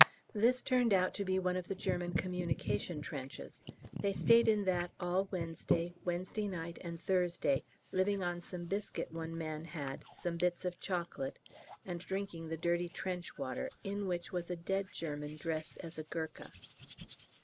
This turned out to be one of the German communication trenches. They stayed in that all Wednesday, Wednesday night, and Thursday, living on some biscuit one man had, some bits of chocolate, and drinking the dirty trench water, in which was a dead German dressed as a Gurkha.